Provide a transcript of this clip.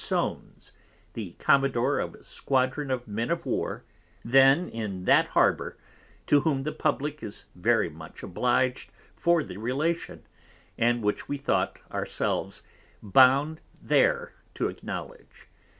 Soanes, _the Commodore of a Squadron of Men of War then in that Harbour, to whom the Public is very much oblig'd for the Relation, and which we thought our selves bound there to acknowledge.